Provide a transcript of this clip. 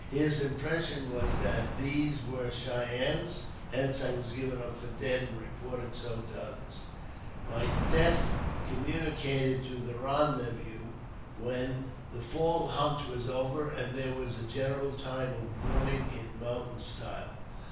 His impression was that these were Cheyennes, hence I was given up for dead and reported so to others. My death was communicated to the rendezvous when the fall hunt was over, and there was a general time of mourn ing in mountain style.